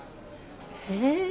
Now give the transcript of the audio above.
へえ。